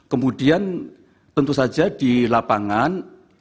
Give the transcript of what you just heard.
kemudian tentu saja di lapangan